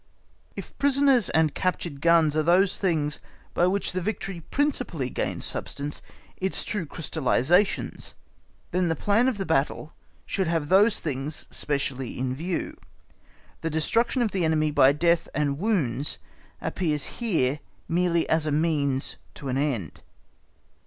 If prisoners and captured guns are those things by which the victory principally gains substance, its true crystallisations, then the plan of the battle should have those things specially in view; the destruction of the enemy by death and wounds appears here merely as a means to an end.